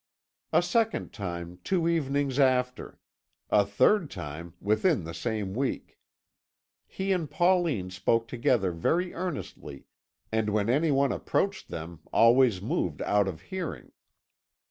"A second time, two evenings after. A third time, within the same week. He and Pauline spoke together very earnestly, and when anyone approached them always moved out of hearing.